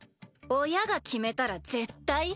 親が決めたら絶対？